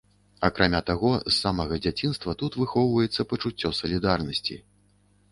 Акрамя таго, з самага дзяцінства тут выхоўваецца пачуццё салідарнасці.